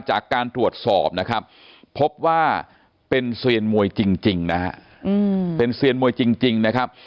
จากการตรวจสอบนะครับพบว่าเป็นเสียญมวยจริงนะครับ